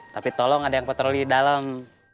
tapi tolong ada yang patroli dalam